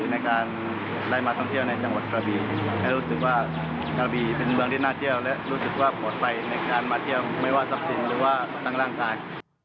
ในการมาเที่ยวไม่ว่าทรัพย์สินหรือว่าทางร่างกาย